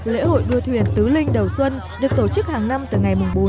lễ hội đua thuyền tứ linh đầu xuân được tổ chức hàng năm từ ngày bốn tháng